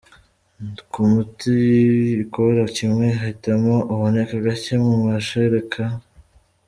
Ku miti ikora kimwe ,hitamo uboneka gake mu mashereka.